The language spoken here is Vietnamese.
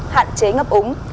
hạn chế ngập úng